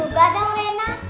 aku juga dong rena